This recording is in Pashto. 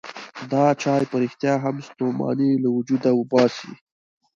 دا چای په رښتیا هم ستوماني له وجوده وباسي.